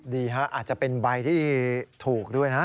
ดีฮะอาจจะเป็นใบที่ถูกด้วยนะ